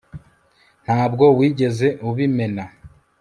ntabwo wigeze ubimena